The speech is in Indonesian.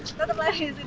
tetap lari disini